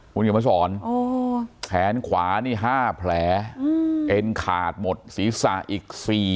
คุณเขียนมาสอนแขนขวานี่๕แผลเอ็นขาดหมดศีรษะอีก๔